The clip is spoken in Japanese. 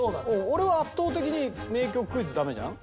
俺は圧倒的に名曲クイズダメじゃん？